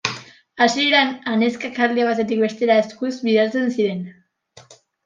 Hasieran, anezkak alde batetik bestera eskuz bidaltzen ziren.